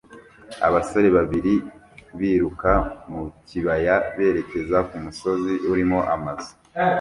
Abasore babiri biruka mu kibaya berekeza ku musozi urimo amazu